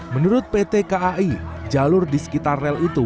menurut pt kai jalur di sekitar rel itu